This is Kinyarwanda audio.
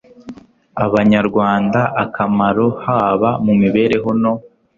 abanyarwanda akamaro haba mu mibereho no